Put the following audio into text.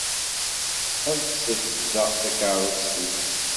Ḥebset da takeṛṛust-nni.